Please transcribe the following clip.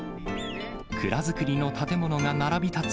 蔵造りの建物が並び立つ